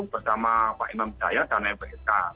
bersama pak imam jaya dan lpsk